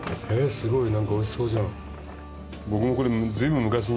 すごい何かおいしそうじゃん